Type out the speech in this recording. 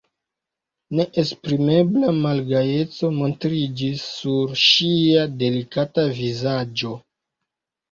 Neesprimebla malgajeco montriĝis sur ŝia delikata vizaĝo.